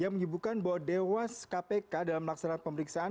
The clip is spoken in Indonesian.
yang menyebutkan bahwa dewas kpk dalam laksanakan pemeriksaan